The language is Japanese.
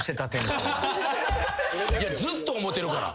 いやずっと思うてるから。